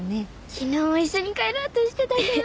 昨日も一緒に帰ろうとしてたじゃん。